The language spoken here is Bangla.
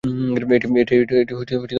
এটি দুঃখ দূর করে।